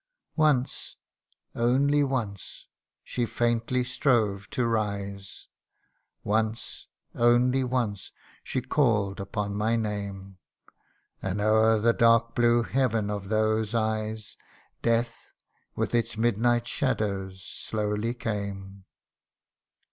Once only once she faintly strove to rise ; Once only once she call'd upon my name ; And o'er the dark blue heaven of those eyes, Death, with its midnight shadows, slowly came.